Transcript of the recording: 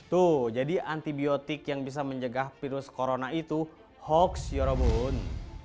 tuh jadi antibiotik yang bisa menjegah virus corona itu hoax yorobun